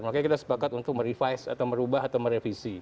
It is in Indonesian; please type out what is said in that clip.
makanya kita sepakat untuk merevice atau merubah atau merevisi